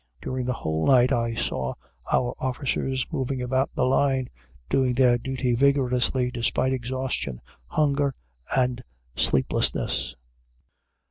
During the whole night I saw our officers moving about the line, doing their duty vigorously, despite exhaustion, hunger and sleeplessness.